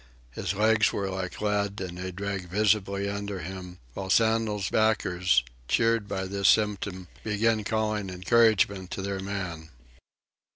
His legs were like lead, and they dragged visibly under him; while Sandel's backers, cheered by this symptom, began calling encouragement to their man.